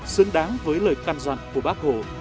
xứng đáng với lời can dặn của bác hồ